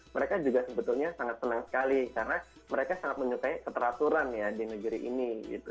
mereka juga sebetulnya sangat senang sekali karena mereka sangat menyukai keteraturan ya di negeri ini